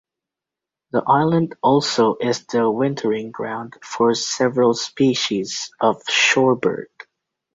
The island also is the wintering ground for several species of shorebird.